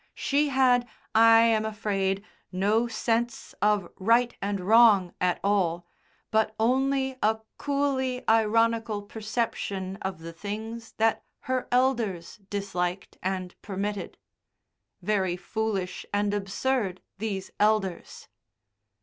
She had, I am afraid, no sense of right and wrong at all, but only a coolly ironical perception of the things that her elders disliked and permitted. Very foolish and absurd, these elders.